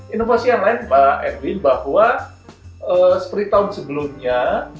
inovasi yang lain pak erwin bahwa seperti tahun sebelumnya